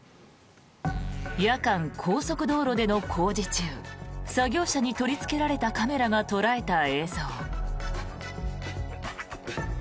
夜間高速道路での工事中作業車に取りつけられたカメラが捉えた映像。